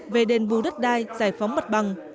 về đền bù đất đai giải phóng mặt bằng